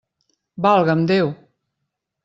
Valga'm Déu!